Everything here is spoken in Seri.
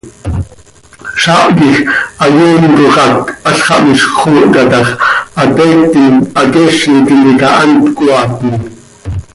Zaah quij hayeencoj hac halx xah miizj cöxoohca tax ¡hateiictim haqueezi tintica hant cöhaatni!